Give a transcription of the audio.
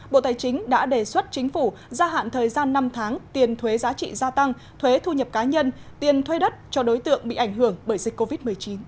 bộ tài chính đã đề xuất chính phủ gia hạn thời gian năm tháng tiền thuế giá trị gia tăng thuế thu nhập cá nhân tiền thuê đất cho đối tượng bị ảnh hưởng bởi dịch covid một mươi chín